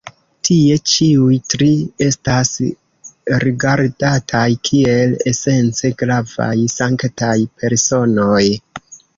Tie ĉiuj tri estas rigardataj kiel esence gravaj sanktaj personoj.